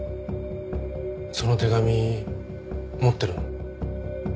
その手紙持ってるの？